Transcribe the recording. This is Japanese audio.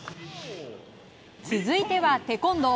続いてはテコンドー。